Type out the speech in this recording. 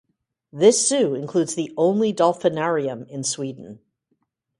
This zoo includes the only dolphinarium in Sweden.